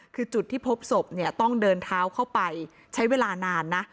คือจุดที่พบศพเนี่ยต้องเดินเท้าเข้าไปใช้เวลานานนะ